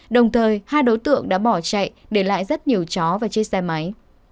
đồng thời hai đối tượng đã bỏ chạy để lại rất nhiều chó và chiếc xe máy